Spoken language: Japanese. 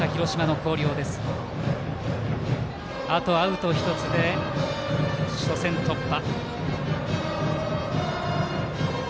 あとアウト１つで初戦突破。